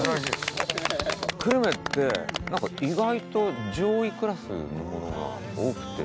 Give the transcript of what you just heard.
久留米って何か意外と上位クラスのものが多くて。